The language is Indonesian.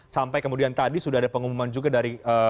sampai kemudian tadi sudah ada pengumuman juga dari